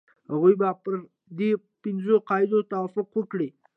هغوی به پر دې پنځو قاعدو توافق وکړي.